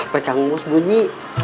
pekang mus bunyi